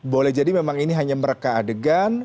boleh jadi memang ini hanya mereka adegan